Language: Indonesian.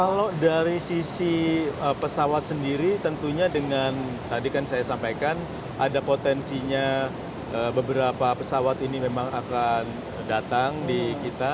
kalau dari sisi pesawat sendiri tentunya dengan tadi kan saya sampaikan ada potensinya beberapa pesawat ini memang akan datang di kita